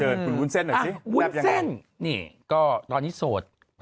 เจอคุณวุ้นเซ็นหน่อยสิอ่าวุ้นเซ็นนี่ก็ตอนนี้โสดไฮะ